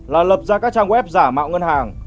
là lập ra các trang web giả mạo ngân hàng